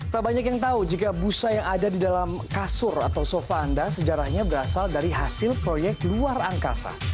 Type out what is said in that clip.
tak banyak yang tahu jika busa yang ada di dalam kasur atau sofa anda sejarahnya berasal dari hasil proyek luar angkasa